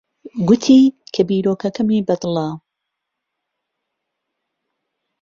گوتی کە بیرۆکەکەمی بەدڵە.